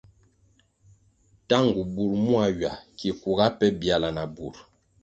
Tangu bur muá ywa ki kuga pe biala na bur.